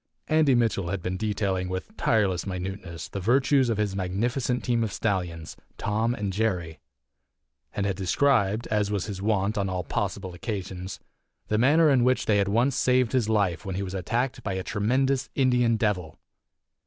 Andy Mitchell had been detailing with tireless minuteness the virtues of his magnificent team of stallions, Tom and Jerry, and had described (as was his wont on all possible occasions) the manner in which they had once saved his life when he was attacked by a tremendous Indian Devil.